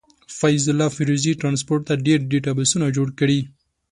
فيض الله فيروزي ټرانسپورټ ته ډير ډيټابسونه جوړ کړي.